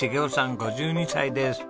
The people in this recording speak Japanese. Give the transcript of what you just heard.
５２歳です。